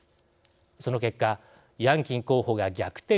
その結果ヤンキン候補が逆転勝利。